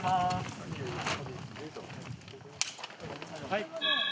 はい。